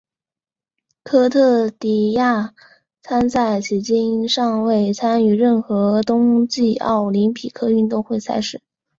科特迪瓦参赛迄今尚未参与任何冬季奥林匹克运动会赛事。